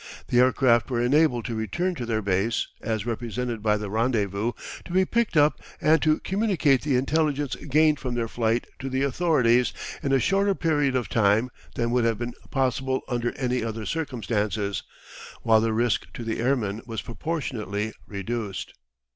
The aircraft were enabled to return to their base, as represented by the rendezvous, to be picked up, and to communicate the intelligence gained from their flight to the authorities in a shorter period of time than would have been possible under any other circumstances, while the risk to the airmen was proportionately reduced.